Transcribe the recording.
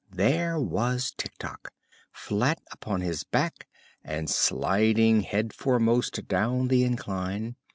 There was Tik Tok, flat upon his back and sliding headforemost down the incline.